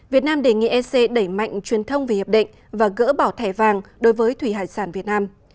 việt nam đề nghị ec đẩy mạnh truyền thông về hiệp định và gỡ bỏ thẻ vàng đối với thủy hải sản việt nam